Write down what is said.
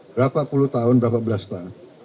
berapa puluh tahun berapa belas tahun